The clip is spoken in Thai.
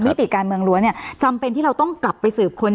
ติการเมืองล้วนเนี่ยจำเป็นที่เราต้องกลับไปสืบคน